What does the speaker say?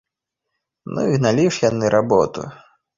Ну і гналі ж яны работу!